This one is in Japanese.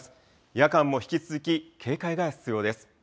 夜間も引き続き警戒が必要です。